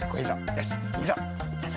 よしいくぞ。